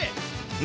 何？